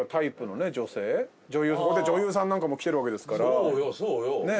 女優さんなんかも来てるわけですからねえ